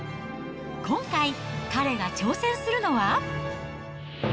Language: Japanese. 今回、彼が挑戦するのは。